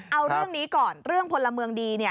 เอาเรื่องนี้ก่อนเรื่องพลเมืองดีเนี่ย